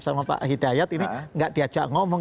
sama pak hidayat ini nggak diajak ngomong